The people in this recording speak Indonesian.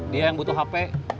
dia yang butuh hape